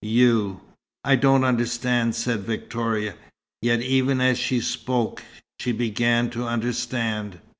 You." "I don't understand," said Victoria. Yet even as she spoke, she began to understand.